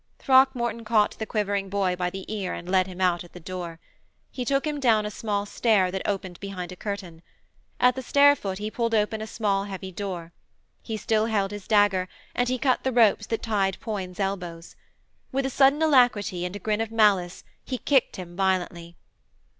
Throckmorton caught the quivering boy by the ear and led him out at the door. He took him down a small stair that opened behind a curtain. At the stair foot he pulled open a small, heavy door. He still held his dagger, and he cut the ropes that tied Poins' elbows. With a sudden alacrity and a grin of malice he kicked him violently.